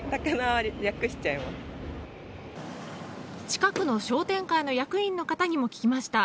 近くの商店会の役員の方にも聞きました。